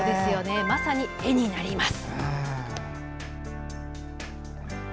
まさに画になります。